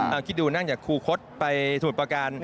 เอาคิดดูนั่งจากครูคดไปสมุทรประการ